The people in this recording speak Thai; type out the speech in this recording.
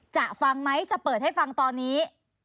ฟังไหมจะเปิดให้ฟังตอนนี้